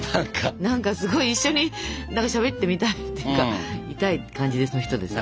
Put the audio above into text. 何かすごい一緒にしゃべってみたいっていうかみたい感じの人ですよね。